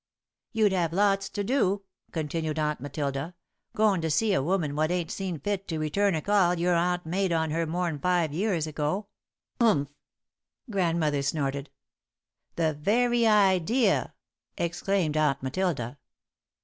"You'd have lots to do," continued Aunt Matilda, "goin' to see a woman what ain't seen fit to return a call your Aunt made on her more'n five years ago." "Humph!" Grandmother snorted. "The very idea," exclaimed Aunt Matilda.